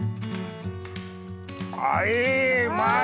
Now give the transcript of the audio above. あいうまい！